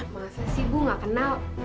masa sih bu gak kenal